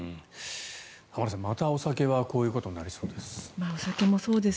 浜田さん、お酒はまたこういうことになりそうです。